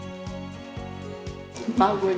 孫に。